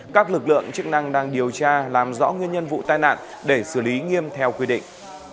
các lực lượng chức năng đang điều tra làm rõ nguyên nhân vụ tai nạn để xử lý nghiêm theo quy định